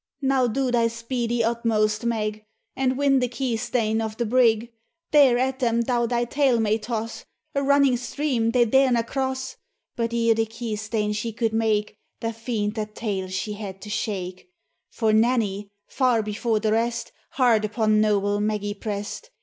Now, do thy speedy utmost, Meg, And win the key stane of the brig ; There at them thou thy tail may toss,^ A running stream they dare na cross. But ere the key stane she could make, The flent a tail she had to shake ; For Nannie, far before the rest, Hard upon noble Maggie prest, FAIRIES: ELVES: SPRITES.